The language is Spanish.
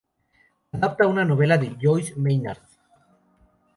Adapta una novela de Joyce Maynard.